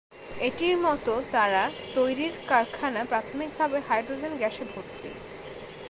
এটির মত তারা তৈরির কারখানা প্রাথমিকভাবে হাইড্রোজেন গ্যাসে ভর্তি।